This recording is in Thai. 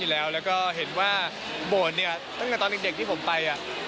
แล้วก็เห็นว่าโบสถ์เนี่ยตั้งแต่ตอนเด็กที่ผมไป